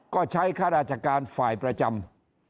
ก็ใช้ข้าราชการฝ่ายประจำ